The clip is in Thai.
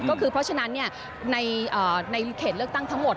ก็คือเพราะฉะนั้นในเขตเลือกตั้งทั้งหมด